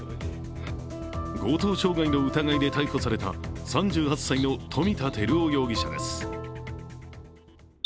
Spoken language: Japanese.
強盗傷害の疑いで逮捕された３８歳の富田照大容疑者です。